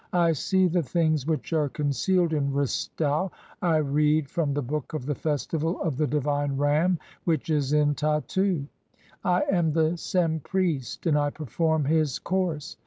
"I see the things which are concealed in Re stau, (27) I read from "the book of the festival of the divine Ram 6 [which is] in Tattu. "I am the Ser?i priest (28) [and I perform] his course.